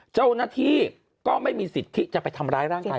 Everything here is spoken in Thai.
เจ้าหน้าที่ก็ไม่มีสิทธิ์ที่จะไปทำร้ายร่างกาย